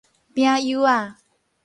餅幼仔